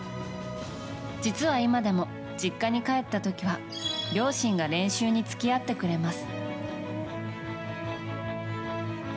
実は今でも実家に帰った時には両親が練習に付き合ってくれます。